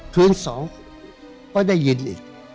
คืนสองก็ได้ยินอีก